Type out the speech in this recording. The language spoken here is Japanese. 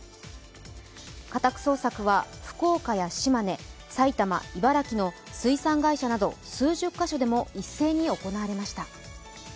家宅捜索は福岡や島根、埼玉、茨城の水産会社など数十か所でも一斉に行われました。